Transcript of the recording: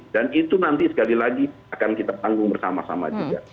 dan itu nanti sekali lagi akan kita tanggung bersama sama juga